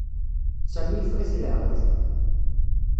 Sami yeffeɣ-it leɛqel.